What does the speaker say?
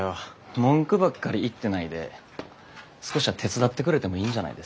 文句ばっかり言ってないで少しは手伝ってくれてもいいんじゃないですか？